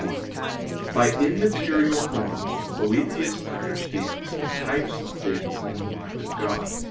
1: By immaterial forms Boethius understands the types of things in the mind of God.